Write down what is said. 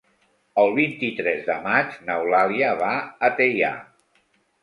El vint-i-tres de maig n'Eulàlia va a Teià.